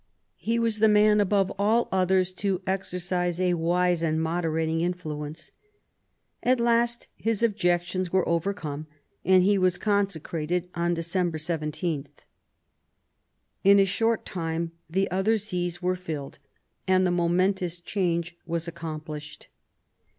He was the man above all others to exercise a wise and moderating influence. At last his objections were overcome, and he was consecrated on December 17. In a short time the other sees were filled, and the momentous change was accomplished.